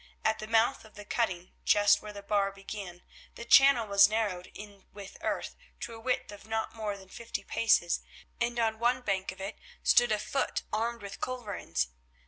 At the mouth of the cutting, just where the bar began, the channel was narrowed in with earth to a width of not more than fifty paces, and on one bank of it stood a fort armed with culverins.